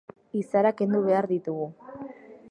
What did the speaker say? Izarak kendu behar ditugu.